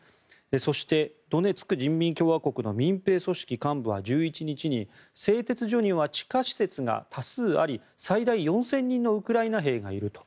そして、ドネツク人民共和国の民兵組織幹部は１１日に製鉄所には地下施設が多数あり最大４０００人のウクライナ兵がいると。